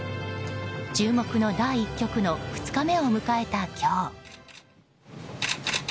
注目の第１局の２日目を迎えた今日。